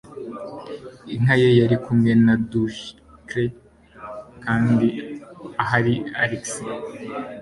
Inka ye yari kumwe na Dulce - kandi ahari Alex.